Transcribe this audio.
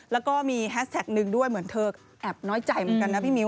แล้วก็มีแฮชแท็กหนึ่งด้วยเหมือนเธอแอบน้อยใจเหมือนกันนะพี่มิ้